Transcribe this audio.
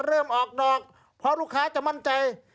เริ่มออกดอกเพราะลูกค้าจะมั่นใจ